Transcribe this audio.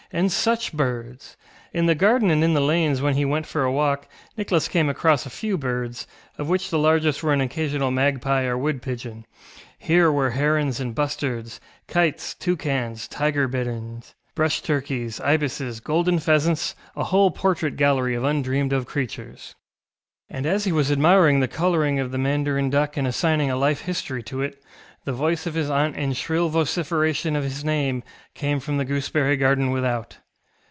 And such birds! In the garden, and in the lanes when he went for a walk, Nicholas came across a few birds, of which the largest were an occasional magpie or wood pigeon; here were herons and bustards, kites, toucans, tiger bitterns, brush turkeys, ibises, golden pheasants, a whole portrait gallery of undreamed of creatures. And as he was admiring the colouring of the mandarin duck and assigning a life history to it, the voice of his aunt in shrill vociferation of his name came from the gooseberry garden without.